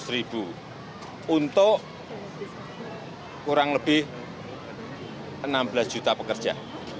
rp seratus untuk kurang lebih enam belas juta pekerja